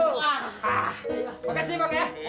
makasih bang ya